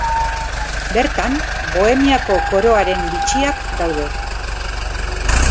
Bertan, Bohemiako Koroaren Bitxiak daude.